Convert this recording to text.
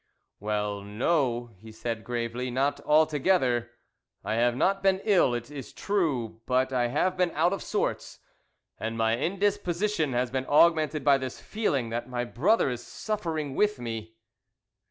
"Well, no," he said gravely, "not altogether; I have not been ill, it is true, but I have been out of sorts, and my indisposition has been augmented by this feeling that my brother is suffering with me."